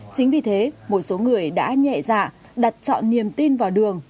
chính vì thế một số người đã nhẹ dạ đặt chọn niềm tin vào đường